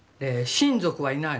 親族はいないの？